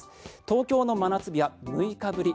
東京の真夏日は６日ぶり。